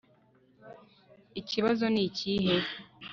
Ikibazo nikihe